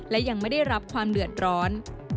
และยังไม่ได้รับความเดือดร้อน